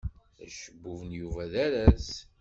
Acebbub n Yuba d aras.